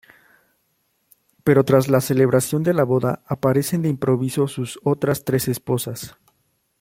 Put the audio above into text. Pero tras la celebración de la boda, aparecen de improviso sus otras tres esposas.